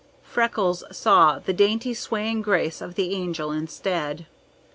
Freckles saw the dainty swaying grace of the Angel instead.